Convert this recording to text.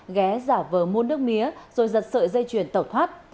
nguyễn nhật tân và phan hoàng giang ghé giả vờ muôn nước mía rồi giật sợi dây chuyền tẩu thoát